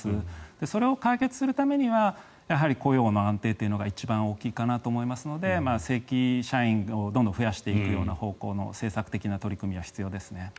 それを解決するためには雇用の安定というのが一番大きいかなと思いますので正規社員をどんどん増やしていく方向の政策的な取り組みは必要ですね。